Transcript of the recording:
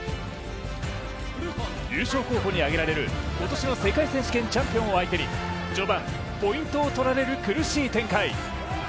優勝候補に挙げられる今年の世界選手権チャンピオンを相手に序盤、ポイントを取られる苦しい展開。